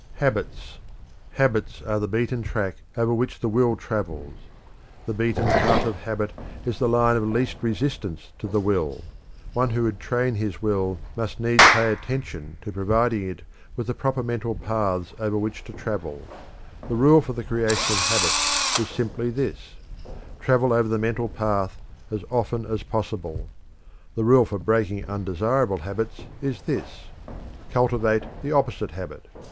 HABITS. Habits are the beaten track over which the will travels. The beaten path of habit is the line of least resistance to the will. One who would train his will must needs pay attention to providing it with the proper mental paths over which to travel. The rule for the creation of habits is simply this: Travel over the mental path as often as possible. The rule for breaking undesirable habits is this: Cultivate the opposite habit.